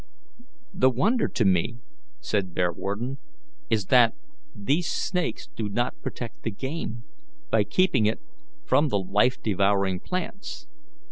"The wonder to me," said Bearwarden, "is, that these snakes do not protect the game, by keeping it from the life devouring plants.